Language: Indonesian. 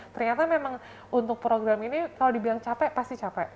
ternyata memang untuk program ini kalau dibilang capek pasti capek